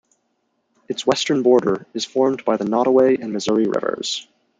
Its western border is formed by the Nodaway and Missouri rivers.